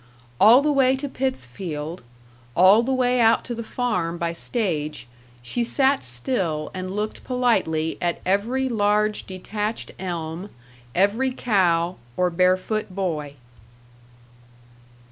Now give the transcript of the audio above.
All the way to Pittsfield, all the way out to the farm by stage, she sat still and looked politely at every large detached elm, every cow or barefoot boy.